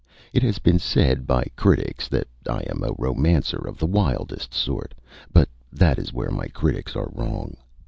It has been said by critics that I am a romancer of the wildest sort, but that is where my critics are wrong.